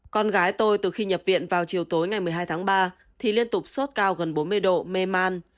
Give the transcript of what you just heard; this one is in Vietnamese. con gái tôi từ khi nhập viện vào chiều tối ngày một mươi hai tháng ba thì liên tục sốt cao gần bốn mươi độ mê man